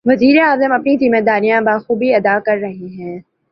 وزیر اعظم اپنی ذمہ داریاں بخوبی ادا کر رہے ہیں۔